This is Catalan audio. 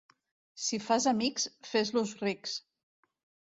Si fas amics, fes-los rics.